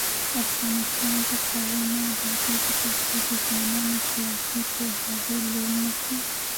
افغانستان تر هغو نه ابادیږي، ترڅو د ځوانانو سیاسي پوهاوی لوړ نشي.